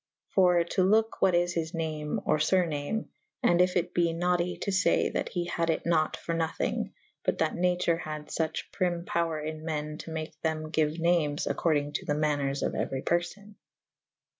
For to loke what is his name or furname / and if it be noughty to faye that he had it nat for nothvng • but that nature had fuch prym power in men to make them gyue names accordynge to the maners of euery perlbn.